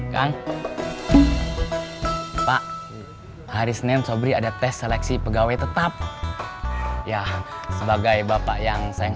kang pak hari senin sobri ada tes seleksi pegawai tetap ya sebagai bapak yang sayang